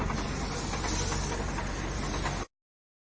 ตัวบนยังไม่ได้เหรอ